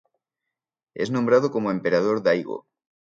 Es nombrado como Emperador Daigo.